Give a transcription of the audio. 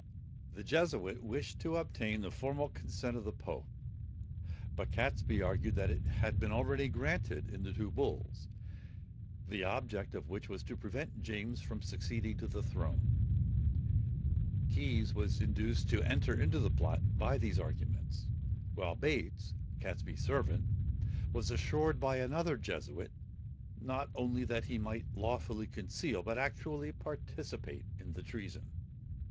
] The Jesuit wished to obtain the formal consent of the pope; but Catesby argued that it had been already granted, in the two bulls, the object of which was to prevent James from succeeding to the throne. Keys was induced to enter into the plot by these arguments; while Bates, Catesby's servant, was assured by another Jesuit, not only that he might lawfully conceal, but actually participate in the treason.